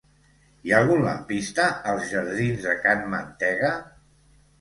Hi ha algun lampista als jardins de Can Mantega?